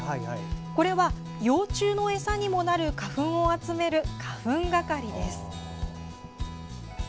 これは幼虫の餌にもなる花粉を集める花粉係です。